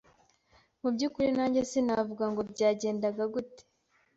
Mu byukuri najye sinavuga ngo byagendaga gute,